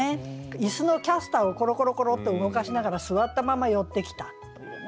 椅子のキャスターをコロコロコロって動かしながら座ったまま寄ってきたっていうね。